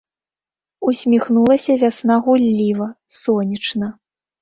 Усміхнулася вясна гулліва, сонечна.